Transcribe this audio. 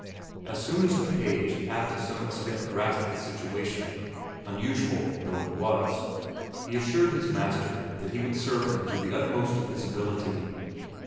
As soon as the page had to some extent grasped the situation, unusual though it was, he assured his master that he would serve him to the utmost of his ability.